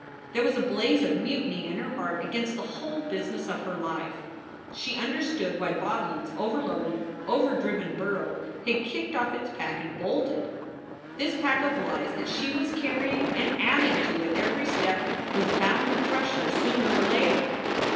There was a blaze of mutiny in her heart against the whole business of her life. She understood why Bodlin s over loaded, overdriven burro had kicked off its pack and bolted. This pack of lies that she was carrying and adding to at every step was bound to crush her sooner or later.